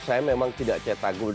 saya memang tidak cetak gol